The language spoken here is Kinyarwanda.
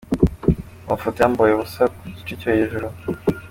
Amafoto yambaye ubusa kugice cyo hejuru.